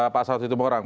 pak asaud itu mau orang